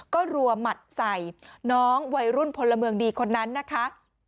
ก็รัวหมัดใส่น้องวัยรุ่นพลเมืองดีคนนั้นนะคะ